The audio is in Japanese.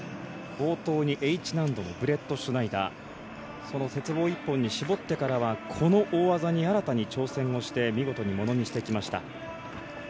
冒頭にＨ難度のブレットシュナイダーその鉄棒一本に絞ってからはこの大技に挑戦して見事にものにしてきました。